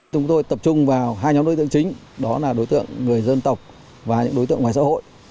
chúng tôi tập trung vào hai nhóm đối tượng chính đó là đối tượng người dân tộc và những đối tượng ngoài xã hội